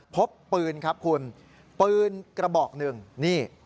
พบปืนครับคุณปืนกระบอกหนึ่งนี่